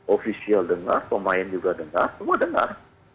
ofisial dengar pemain juga dengar semua dengar